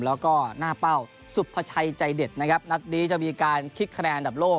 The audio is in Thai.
แล้วก็หน้าเป้าสุภาชัยใจเด็ดนะครับนัดนี้จะมีการคิดคะแนนอันดับโลก